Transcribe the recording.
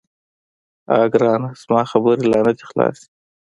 _اه ګرانه، زما خبرې لا نه دې خلاصي.